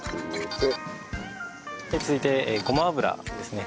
続いてごま油ですね。